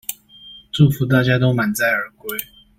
祝福大家都滿載而歸